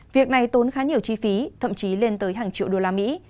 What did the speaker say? việc này tốn khá nhiều chi phí thậm chí lên tới hàng triệu đô la mỹ